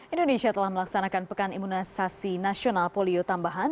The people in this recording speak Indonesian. indonesia telah melaksanakan pekan imunisasi nasional polio tambahan